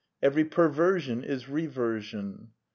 Every perversion is reversion.